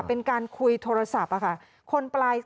เป็นการคุยโทรศัพท์ค่ะ